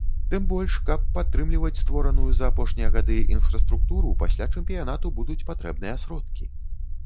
Тым больш, каб падтрымліваць створаную за апошнія гады інфраструктуру, пасля чэмпіянату будуць патрэбныя сродкі.